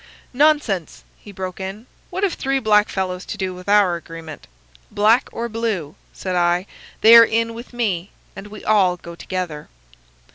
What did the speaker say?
"'Nonsense!' he broke in. 'What have three black fellows to do with our agreement?' "'Black or blue,' said I, 'they are in with me, and we all go together.